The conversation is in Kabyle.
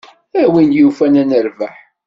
A win yufan ad nerbeḥ.